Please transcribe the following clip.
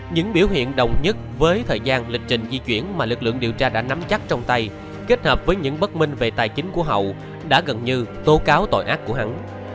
những biểu hiện đồng nhất với thời gian lịch trình di chuyển mà lực lượng điều tra đã nắm chắc trong tay kết hợp với những bất minh về tài chính của hậu đã gần như tố cáo tội ác của hắn